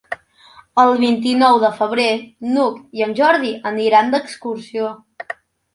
El vint-i-nou de febrer n'Hug i en Jordi aniran d'excursió.